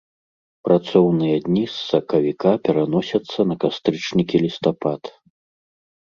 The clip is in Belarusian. Працоўныя дні з сакавіка пераносяцца на кастрычнік і лістапад.